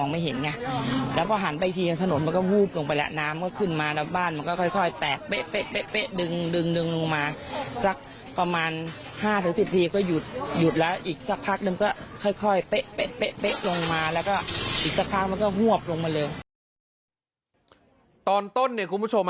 มันก็ค่อยเป๊ะลงมา